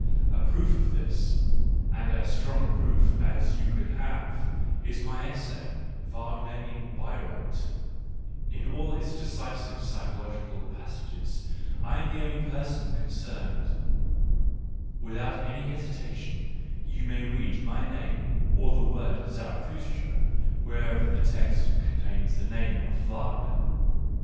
A proof of this, and as strong a proof as you could have, is my essay, Wagner in Bayreuth : in all its decisive psychological passages I am the only person con cerned — without any hesitation you may read my name or the word " Zarathustra " wherever the text contains the name of Wagner.